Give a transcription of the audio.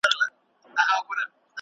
ادبي مواد باید په معیاري ډول چمتو شي.